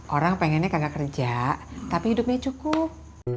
orang pengennya kakak kerja tapi hidupnya cukup